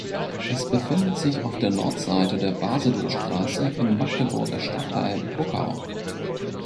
Es befindet sich auf der Nordseite der Basedowstraße im Magdeburger Stadtteil Buckau.